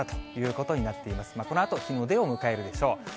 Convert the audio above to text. このあと、日の出を迎えるでしょう。